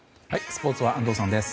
スポーツは安藤さんです。